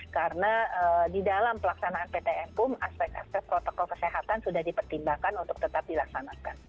karena di dalam pelaksanaan ptn pun aspek aspek protokol kesehatan sudah dipertimbangkan untuk tetap dilaksanakan